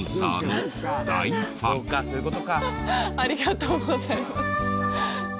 ありがとうございます。